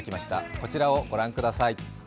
こちらをご覧ください。